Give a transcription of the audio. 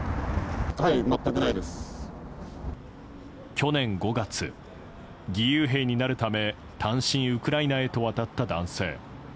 去年５月、義勇兵になるため単身ウクライナへと渡った男性。